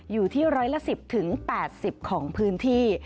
อยู่ที่ร้อยละ๑๐๘๐ของพื้นที่